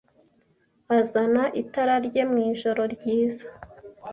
azana itara rye mwijoro ryiza